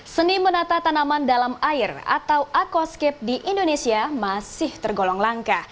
seni menata tanaman dalam air atau aquascape di indonesia masih tergolong langka